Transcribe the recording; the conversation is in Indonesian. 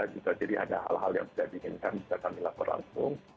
jadi ada hal hal yang tidak diinginkan kita kami lapor langsung